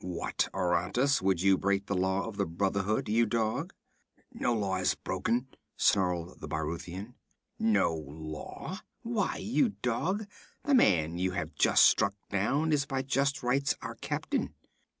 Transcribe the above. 'What, Aratus, would you break the law of the Brotherhood, you dog?' 'No law is broken,' snarled the Brythunian. 'No law? Why, you dog, this man you have just struck down is by just rights our captain!'